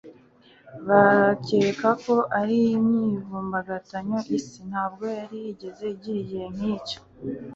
bakeka ko ari imyivumbagatanyo. Isi ntabwo yari yarigeze igira igihe nk'icyo.